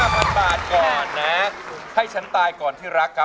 ๕๐๐๐บาทให้ฉันตายก่อนที่รัก